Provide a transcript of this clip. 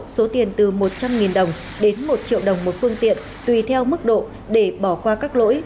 số tiền từ một trăm linh đồng đến một triệu đồng một phương tiện tùy theo mức độ để bỏ qua các lỗi